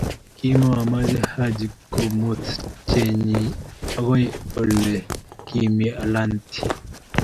Kimimoche Haji komut chesinye okoi sire ole kimii alinte.